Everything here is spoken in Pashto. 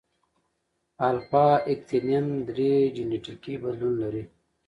الفا اکتینین درې جینیټیکي بدلون لري.